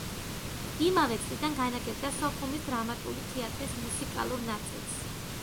იმავე წლიდან განაგებდა სოხუმის დრამატული თეატრის მუსიკალურ ნაწილს.